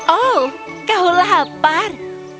oh kau lapar